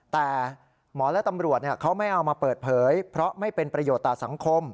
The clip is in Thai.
แต่หมอและตำรวจเขาไม่เอามาเปิดเผยเพราะไม่เป็นประโยชน์ต่อสังคม